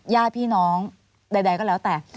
ญาติพี่น้องใดก็แล้วแต่